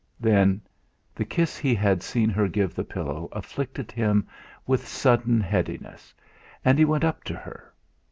Then, the kiss he had seen her give the pillow afflicted him with sudden headiness, and he went up to her.